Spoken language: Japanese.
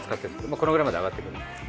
このくらいまで上がってくので。